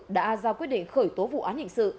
đã ra quyết định khởi tố vụ án hình sự